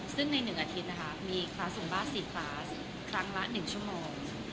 ซึ่งใน๑อาทิตย์นะคะมีคลาสซุมบ้าสีฟ้าครั้งละ๑ชั่วโมง